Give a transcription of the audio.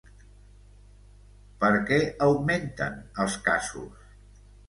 Per què augmenten els casos?